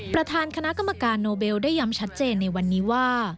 ประธานคณะกรรมการโนเบลได้ย้ำชัดเจนในวันนี้ว่า